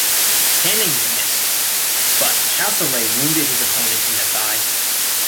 Canning missed but Castlereagh wounded his opponent in the thigh.